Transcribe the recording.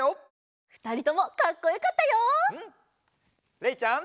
れいちゃん。